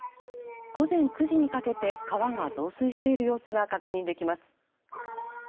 午前９時にかけて川が増水している様子が確認できます。